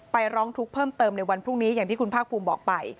ร้องทุกข์เพิ่มเติมในวันพรุ่งนี้อย่างที่คุณภาคภูมิบอกไป